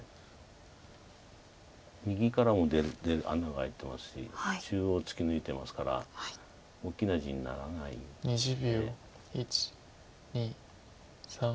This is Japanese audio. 右からも穴が開いてますし中央突き抜いてますから大きな地にならないです。